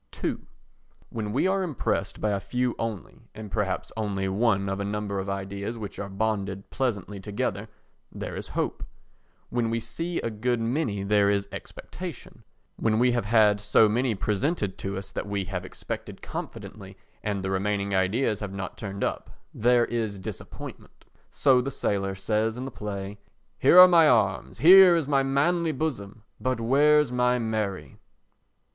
ii When we are impressed by a few only, or perhaps only one of a number of ideas which are bonded pleasantly together, there is hope; when we see a good many there is expectation; when we have had so many presented to us that we have expected confidently and the remaining ideas have not turned up, there is disappointment. So the sailor says in the play: "Here are my arms, here is my manly bosom, but where's my Mary?"